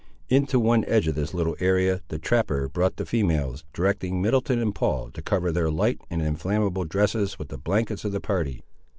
Into one edge of this little area the trapper brought the females, directing Middleton and Paul to cover their light and inflammable dresses with the blankets of the party.